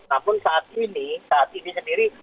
namun saat ini saat ini sendiri